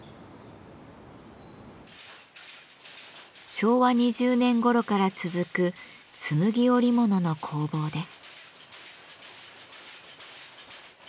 昭和２０年ごろから続くつむぎ織物の工房です。